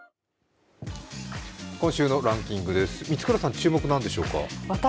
今週のランキングです、満倉さん、注目、何でしょうか？